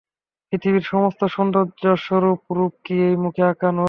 পৃথিবীর সমস্ত সৌন্দর্য, সমস্ত রূপ কি এই মুখে আঁকা নয়?